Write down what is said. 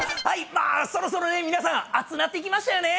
そろそろね皆さん暑うなってきましたよね。